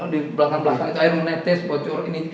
di belakang belakang itu air menetes bocor ini